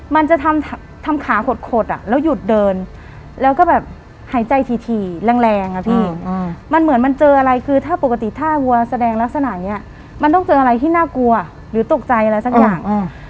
มันจะทำขาขดขดอ่ะแล้วหยุดเดินแล้วก็แบบหายใจถี่แรงแรงอ่ะพี่มันเหมือนมันเจออะไรคือถ้าปกติถ้าวัวแสดงลักษณะอย่างนี้มันต้องเจออะไรที่น่ากลัวหรือตกใจอะไรสักอย่าง